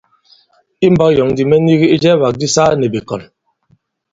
I mbɔ̄k yɔ̌ŋ ndī mɛ nigi ijɛɛwàk di saa nì bìkɔ̀n.